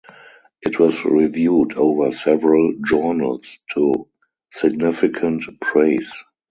It was reviewed over several journals to significant praise.